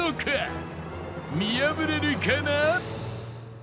見破れるかな？